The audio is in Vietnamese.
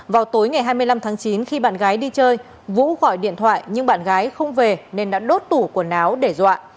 vào tối ngày hai mươi năm tháng chín khi bạn gái đi chơi vũ gọi điện thoại nhưng bạn gái không về nên đã đốt tủ quần áo để dọa